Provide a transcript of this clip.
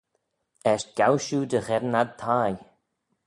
Eisht gow shiu dy gheddyn ad thie.